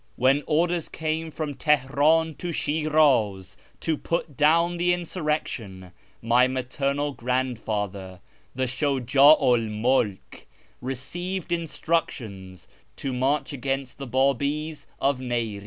When orders came from Teheran to Shiraz to put down the insurrection, my maternal grandfather, the Shujd'u 1 MuIJc, received instructions to march against the Babis of Niri'z.